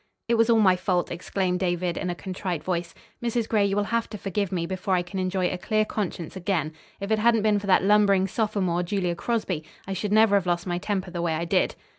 "It was all my fault," exclaimed David, in a contrite voice. "Mrs. Gray, you will have to forgive me before I can enjoy a clear conscience again. If it hadn't been for that lumbering sophomore, Julia Crosby, I should never have lost my temper the way I did."